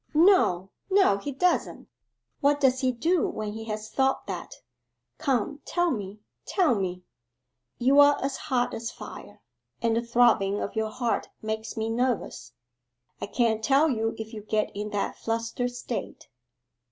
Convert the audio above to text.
'No, no, he doesn't What does he do when he has thought that Come, tell me tell me!' 'You are as hot as fire, and the throbbing of your heart makes me nervous. I can't tell you if you get in that flustered state.